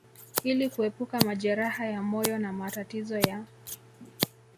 ili kuepuka majeraha ya moyo na matatizo ya